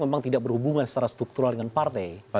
memang tidak berhubungan secara struktural dengan partai